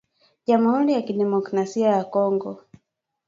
Jamhuri ya kidemokrasia ya Kongo